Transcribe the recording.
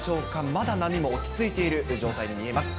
まだ波も落ち着いている状態に見えます。